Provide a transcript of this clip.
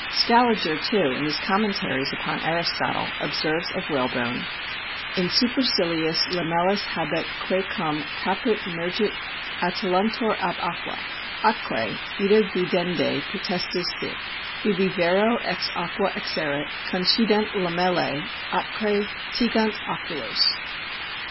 Scaliger, too, in his commentaries upon Aristotle, ob serves of whalebone, "In superciliis lamellas habet quae cum caput mergit attolluntur ab aqua : atque ita videndi potestas sit : ubi vero ex aqua exerit, concidunt lamellae, atque tegunt oculos."